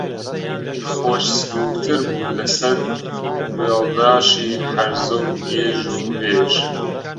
خۆش سلووکتر بوو لە سەد وێڵداشی هەرزە و گێژ و وێژ